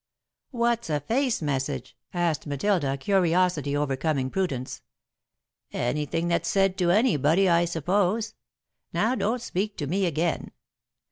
'" "What's a face message?" asked Matilda, curiosity overcoming prudence. "Anything that's said to anybody, I suppose. Now don't speak to me again.